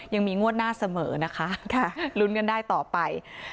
ยังมีงวดหน้าเสมอนะคะลุ้นกันได้ต่อไป